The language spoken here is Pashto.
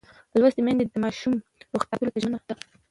لوستې میندې د ماشوم روغتیا ساتلو ته ژمنه ده.